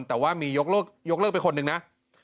แต่ว่ามียกเลิกไปคนนึงนะ